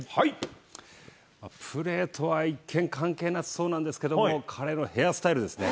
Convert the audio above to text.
プレートは一見、関係なさそうなんですけども、彼のヘアスタイルですね。